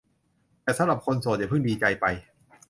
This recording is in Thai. แต่สำหรับคนโสดอย่าเพิ่งดีใจไป